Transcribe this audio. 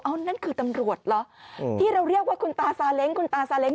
อ้าวนั่นคือตำรวจเหรอที่เราเรียกว่าคุณตาเสลง